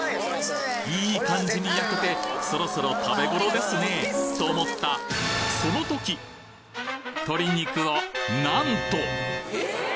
いい感じに焼けてそろそろ食べごろですねと思った鶏肉をなんとえ！？